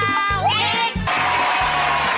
สมัดข่าวเด็ก